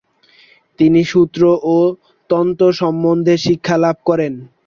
তিনি সূত্র ও তন্ত্র সম্বন্ধে শিক্ষালাভ করেন।